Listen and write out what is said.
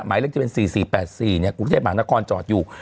หมายเลขที่เป็น๔๔๘๔เนี่ยประเทศบาลนครจอดอยู่